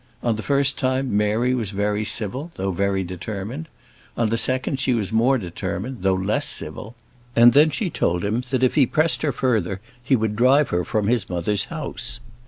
On the first time Mary was very civil, though very determined. On the second, she was more determined, though less civil; and then she told him, that if he pressed her further he would drive her from his mother's house.